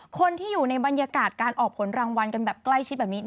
คนที่อยู่ในบรรยากาศการออกผลรางวัลกันแบบใกล้ชิดแบบนี้